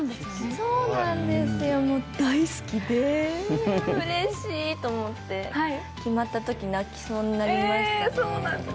そうなんですよ、もう大好きでうれしい！と思って決まったとき泣きそうになりましたね。